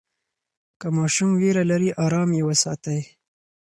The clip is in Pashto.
که ماشوم ویره لري، آرام یې وساتئ.